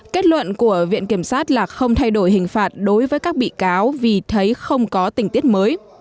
kết luận của viện kiểm sát là không thay đổi hình phạt đối với các bị cáo vì thấy không có tình tiết mới